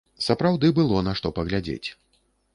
Сапраўды было на што паглядзець.